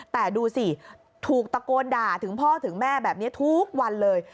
แต่ดูสิถูกตะโกนด่าถึงพ่อถึงแม่แบบนี้ทุกวันเลย